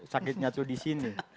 sakitnya tuh disini